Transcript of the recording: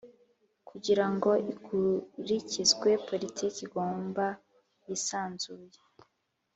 Kugira ngo ikurikizwe politiki igomba yisanzuye